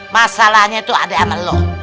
masalahnya tuh ada amel lu